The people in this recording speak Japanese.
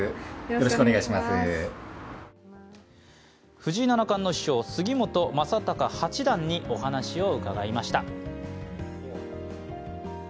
藤井七冠の師匠、杉本昌隆八段にお話を伺いました。